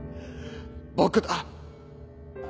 僕だ！